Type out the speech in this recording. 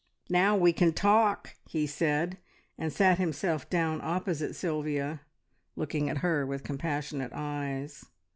"Now we can talk!" he said, and sat himself down opposite Sylvia, looking at her with compassionate eyes.